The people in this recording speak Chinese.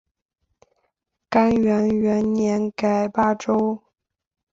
干元元年改霸州。